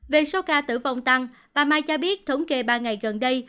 về số ca tử vong tăng bà mai cho biết thống kê ba ngày gần đây